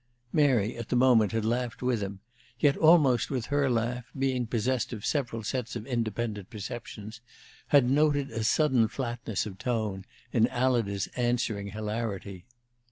Mary, at the moment, had laughed with him, yet almost with her laugh, being possessed of several sets of independent perceptions, had noted a sudden flatness of tone in Alida's answering hilarity.